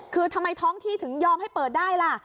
คือทำไมท้องที่ถึงยอมให้เปิดได้ล่ะ